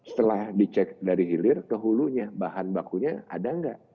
setelah dicek dari hilir ke hulunya bahan bakunya ada nggak